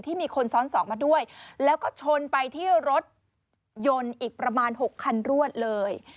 มีคนซ้อนสองมาด้วยแล้วก็ชนไปที่รถยนต์อีกประมาณ๖คันรวดเลย